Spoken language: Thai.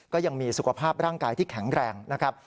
ก็ยังมีสุขภาพร่างกายที่แข็งแรงนะครับ